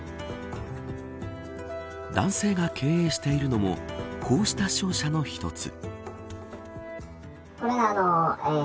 男性が経営しているのもこうした商社の一つ。